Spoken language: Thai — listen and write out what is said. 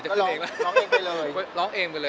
คือร้องเองไปเลย